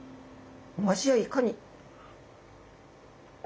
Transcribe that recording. お味はいかに。